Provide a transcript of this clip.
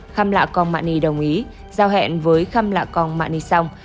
khăm lạ con mạ ni đồng ý giao hẹn với khăm lạ con mạ ni xong